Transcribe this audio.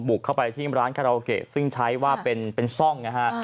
เข้าไปที่ร้านคาราโอเกะซึ่งใช้ว่าเป็นซ่องนะฮะ